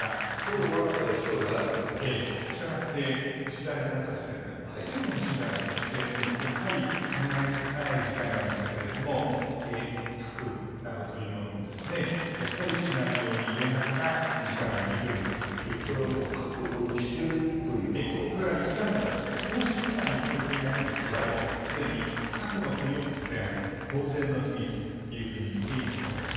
そうはしてはならないわけでしたがって、イスラエル側としては、最後の手段としてやっぱり考えたくない事態なんですけれども、核などというものを、やっぱりシナリオに入れながら、事態を見てそれはもう、これはイスラエルは、公式には認めていないんですけれども、すでに核の保有国である公然の秘密というふうに言っていいんだと思います。